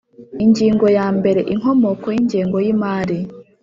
Ingingo ya mbere Inkomoko y’ingengo y’imari